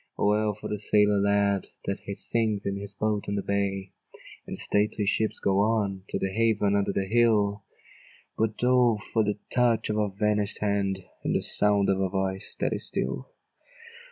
O, well for the sailor lad, That he sings in his boat on the bay! And the stately ships go on To their haven under the hill; But O for the touch of a vanish'd hand, And the sound of a voice that is still!